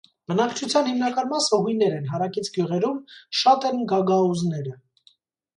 Բնակչության հիմնական մասը հույներ են, հարակից գյուղերում շատ են գագաուզները։